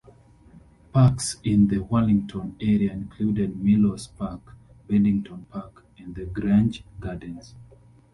Parks in the Wallington area include Mellows Park, Beddington Park and the Grange Gardens.